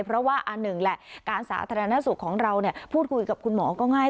เพราะว่าอันหนึ่งแหละการสาธารณสุขของเราพูดคุยกับคุณหมอก็ง่าย